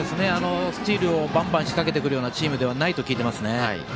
スチールをばんばん仕掛けてくるようなチームではないと聞いていますね。